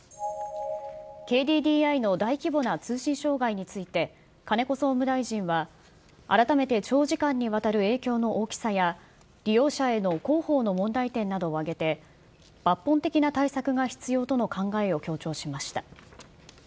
ＫＤＤＩの大規模な通信障害について、金子総務大臣は、改めて長時間にわたる影響の大きさや、利用者への広報の問題点などを挙げて、抜本的な対策が必要との考えを強調しました。